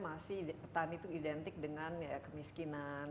masih petani itu identik dengan kemiskinan